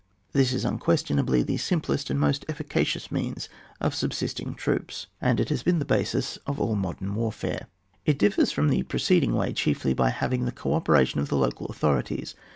This is unquestionably the simplest and most efficacious means of subsisting OHAP. XIW] SUBSISTENCA 49 troops, and it has been the basis of all modem wars. , It differs from the preceding way chiefly by its having the co operation of the local authorities.